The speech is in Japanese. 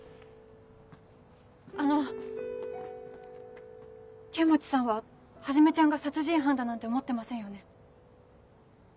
あの剣持さんははじめちゃんが殺人犯だなんて思ってませんよね？